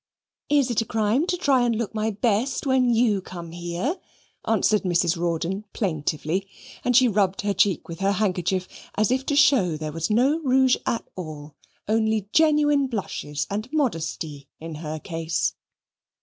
"Is it a crime to try and look my best when YOU come here?" answered Mrs. Rawdon plaintively, and she rubbed her cheek with her handkerchief as if to show there was no rouge at all, only genuine blushes and modesty in her case.